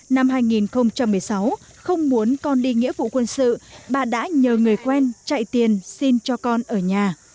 năm hai nghìn một mươi sáu không muốn con đi nghĩa vụ quân sự bà đã nhờ người quen chạy tiền xin cho con ở nhà